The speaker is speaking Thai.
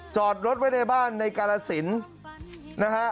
จอดรถไว้ในบ้านในกาละศิลป์